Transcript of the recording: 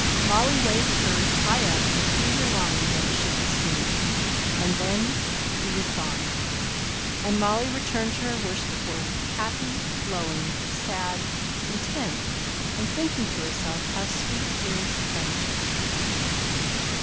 Molly waved hers high up, with eager longing that it should be seen. And then, he was gone! and Molly returned to her worsted work, happy, glowing, sad, content, and thinking to herself how sweet is friendship!